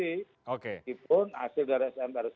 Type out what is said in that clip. walaupun hasil dari smpr